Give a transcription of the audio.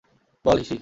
বল, হিশি।